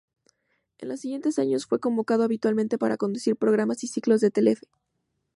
En los siguientes años fue convocado habitualmente para conducir programas y ciclos en Telefe.